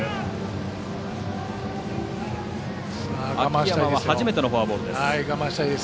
秋山は初めてのフォアボールです。